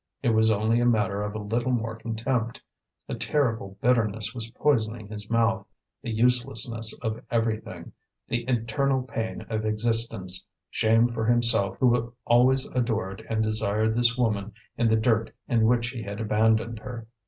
It was only a matter of a little more contempt. A terrible bitterness was poisoning his mouth, the uselessness of everything, the eternal pain of existence, shame for himself who always adored and desired this woman in the dirt in which he had abandoned her.